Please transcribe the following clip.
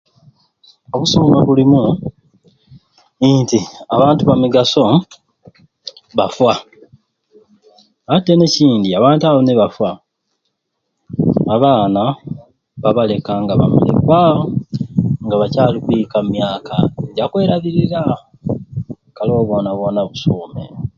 Obusuume obulimu nti abantu bamigaso bafa, ate n'ekindi abantu abo nibafa abaana babaleka nga bamulekwa nga bakyali kwika mu myaka ejakwerabirira, kale obwo bwoona bwoona busuume